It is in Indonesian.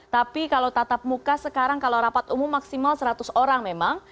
tapi kalau tatap muka sekarang kalau rapat umum maksimal seratus orang memang